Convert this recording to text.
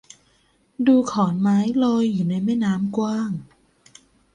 ดูขอนไม้ลอยอยู่ในแม่น้ำกว้าง